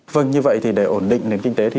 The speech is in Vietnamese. vâng như vậy thì để ổn định